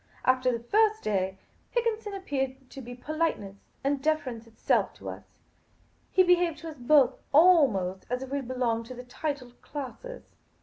After the first day, Higginson appeared to be politeness and deference itself to us. He behaved to us both, almost as if we belonged to the titled classes.